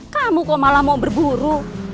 kamu kok malah mau berburu